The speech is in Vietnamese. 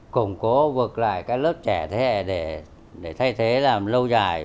củng cố vực lại các lớp trẻ thế hệ để thay thế làm lâu dài